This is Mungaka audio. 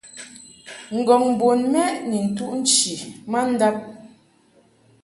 Ngɔ̀ŋ bon mɛʼ ni ntuʼ nchi ma ndab.